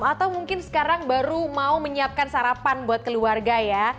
atau mungkin sekarang baru mau menyiapkan sarapan buat keluarga ya